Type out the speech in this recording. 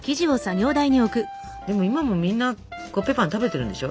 でも今もみんなコッペパン食べてるんでしょ？